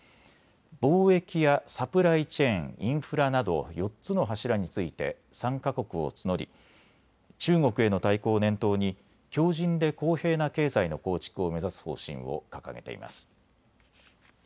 貿易やサプライチェーン、インフラなど４つの柱について参加国を募り中国への対抗を念頭に強じんで公平な経済の構築を目指す方針を掲げています。